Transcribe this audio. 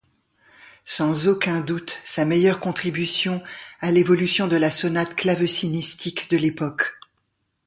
Sans aucun doute sa meilleure contribution à l'évolution de la sonate clavecinistique de l'époque.